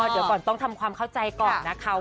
เดี๋ยวก่อนต้องทำความเข้าใจก่อนนะคะ